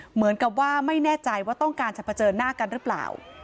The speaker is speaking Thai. เหมือนกับว่าไม่แน่ใจว่าต้องการจะเผชิญหน้ากันหรือเปล่า